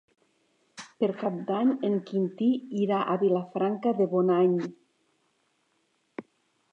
Per Cap d'Any en Quintí irà a Vilafranca de Bonany.